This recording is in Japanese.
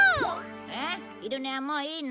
えっ昼寝はもういいの？